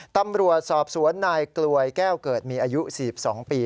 ตำรวจสอบสวนนายกลวยแก้วเกิดมีอายุ๔๒ปี